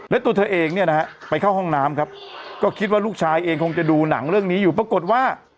และตัวเธอเองเนี่ยนะฮะไปเข้าห้องน้ำครับก็คิดว่าลูกชายเองคงจะดูหนังเรื่องนี้อยู่ปรากฏว่า